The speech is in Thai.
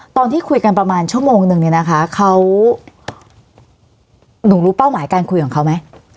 ตอนที่คุยกันประมาณชั่วโมงนึงเนี่ยนะคะเขาหนูรู้เป้าหมายการคุยของเขาไหม